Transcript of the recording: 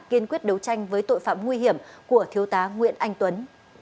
kiên quyết đấu tranh với tội phạm nguy hiểm của thiếu tá nguyễn anh tuấn